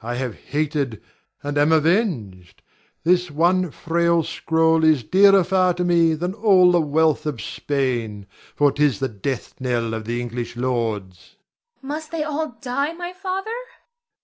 I have hated, and am avenged. This one frail scroll is dearer far to me than all the wealth of Spain, for 'tis the death knell of the English lords. Zara. Must they all die, my father? Ber.